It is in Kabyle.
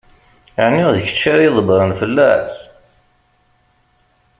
Ɛni d kečč ara ydebbṛen fell-as?